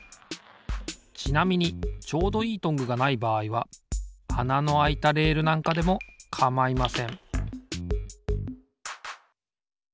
ちなみにちょうどいいトングがないばあいはあなのあいたレールなんかでもかまいません